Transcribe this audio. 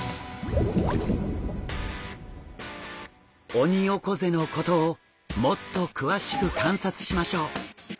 オニオコゼのことをもっと詳しく観察しましょう。